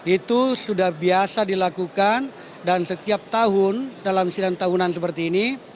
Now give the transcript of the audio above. itu sudah biasa dilakukan dan setiap tahun dalam sidang tahunan seperti ini